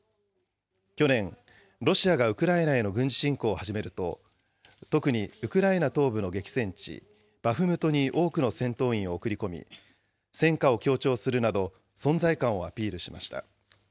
去年、ロシアがウクライナへの軍事侵攻を始めると、特にウクライナ東部の激戦地、バフムトに多くの戦闘員を送り込み、戦果を強調するなど、存在感をアピールしました。